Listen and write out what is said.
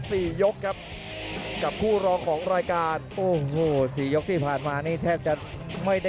ส่องนายกดลงมา